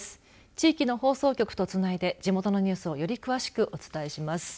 地域の放送局とつないで地元のニュースをより詳しくお伝えします。